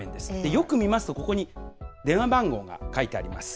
よく見ますと、ここに電話番号が書いてあります。